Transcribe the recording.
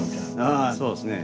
ああそうですね。